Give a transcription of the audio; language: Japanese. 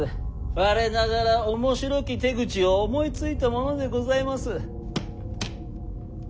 我ながら面白き手口を思いついたものでございます。